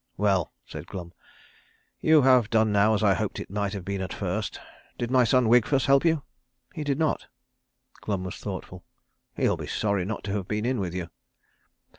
"Well," said Glum, "you have done now as I hoped it might have been at first. Did my son Wigfus help you?" "He did not." Glum was thoughtful. "He will be sorry not to have been in with you."